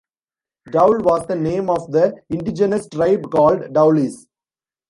Daule was the name of the indigenous tribe called Daulis.